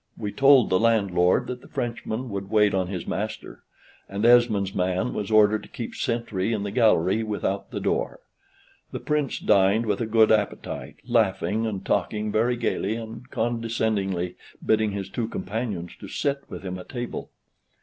We told the landlord that the Frenchman would wait on his master; and Esmond's man was ordered to keep sentry in the gallery without the door. The Prince dined with a good appetite, laughing and talking very gayly, and condescendingly bidding his two companions to sit with him at table.